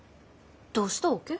どうしたわけ？